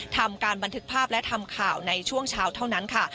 ทำการบันทึกภาพและทำข่าวในช่วงเช้าเท่านั้นค่ะ